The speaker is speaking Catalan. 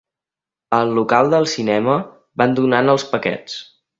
Al local del cinema van donant els paquets.